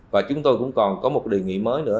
và chúng tôi cũng còn có một đề nghị mới nữa